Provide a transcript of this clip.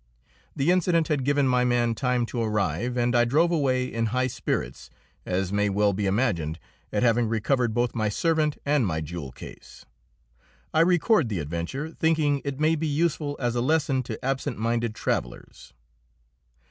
The incident had given my man time to arrive, and I drove away in high spirits, as may well be imagined, at having recovered both my servant and my jewel case. I record the adventure thinking it may be useful as a lesson to absent minded travellers.